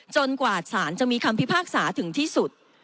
กว่าสารจะมีคำพิพากษาถึงที่สุด